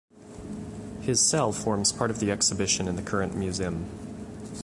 His cell forms part of the exhibition in the current museum.